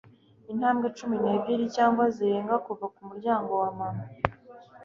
intambwe cumi n'ebyiri cyangwa zirenga kuva ku muryango wa mama